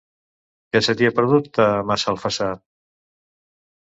Què se t'hi ha perdut, a Massalfassar?